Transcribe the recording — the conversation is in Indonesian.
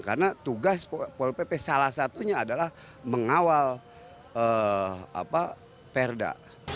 karena tugas pol pp salah satunya adalah mengawal perda